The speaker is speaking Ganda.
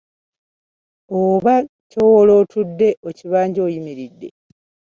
Oba ky'owola otudde, okibanja oyimiridde.